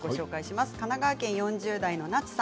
神奈川県４０代の方